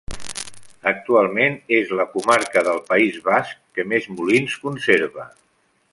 Actualment, és la comarca del País Basc que més molins conserva.